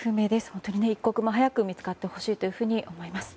本当に一刻も早く見つかってほしいと思います。